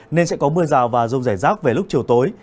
nên sẽ có mưa rào và rông rải rác về lúc chiều tối